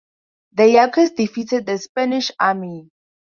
The Yaquis defeated the Spanish army.